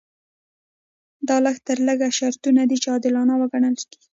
دا لږ تر لږه شرطونه دي چې عادلانه وګڼل شي.